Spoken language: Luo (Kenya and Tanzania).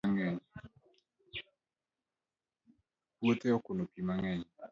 puodho okuno pi mangeny